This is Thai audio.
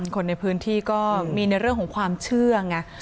คนในพื้นที่ก็มีในเรื่องของความเชื่อไง